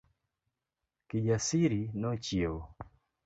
Kijasiri nochiewo